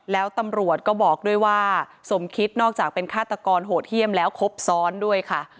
แล้วตำรวจก็บอกด้วยว่าสมคิดนอกจากเป็นฆาตกรโหดเยี่ยมแล้วครบซ้อนด้วยค่ะ